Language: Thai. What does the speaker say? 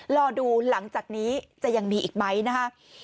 รอดูหลังจากนี้จะยังมีอีกไหมนะคะ